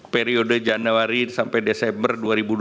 periode januari sampai desember dua ribu dua puluh